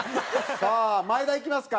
さあ前田いきますか。